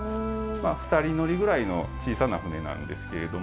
まあ２人乗りぐらいの小さな舟なんですけれども。